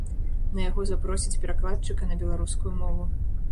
На яго запросяць перакладчыка на беларускую мову.